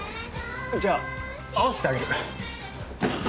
じゃあ合わせてあげる。